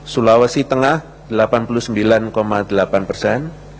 sulawesi tengah delapan puluh sembilan delapan persen